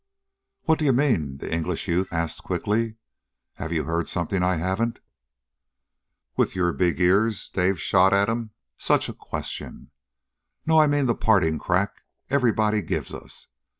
"What do you mean?" the English youth asked quickly. "Have you heard something I haven't?" "With your big ears?" Dave shot at him. "Such a question! No. I mean the parting crack everybody gives us.